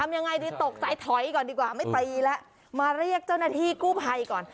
ยังไงดีตกใจถอยก่อนดีกว่าไม่ตีแล้วมาเรียกเจ้าหน้าที่กู้ภัยก่อน